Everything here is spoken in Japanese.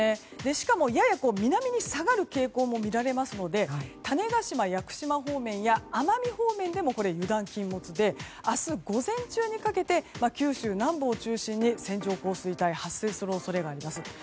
しかも、やや南に下がる傾向も見られますので種子島、屋久島方面や奄美方面でも油断禁物で明日午前中にかけて九州南部を中心に線状降水帯が発生する恐れがあります。